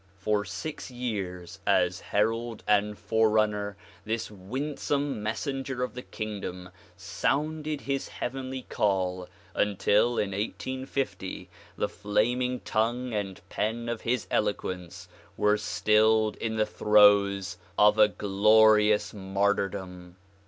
For six years as herald and fore runner this winsome messenger of the kingdom sounded his heav enly call, until in 1850 the flaming tongue and pen of his eloquence were stilled in the throes of a glorious martyrdom.